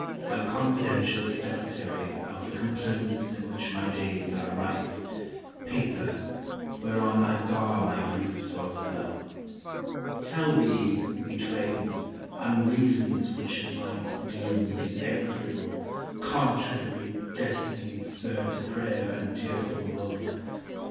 my confidential Secretary Of the complaints in which my days are rife, Paper, whereon I gar my griefs o'erflow. Tell we, we twain, Unreasons which in life Deal me inexorable, contrary Destinies surd to prayer and tearful woe.